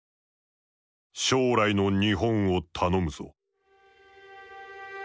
「将来の日本を頼むぞ」。